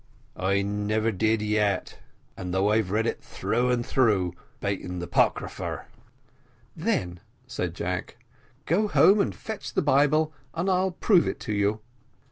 "I never did yet, and I've read it through and through all, bating the 'Pocryfar." "Then," said Jack, "go home and fetch the Bible, and I'll prove it to you."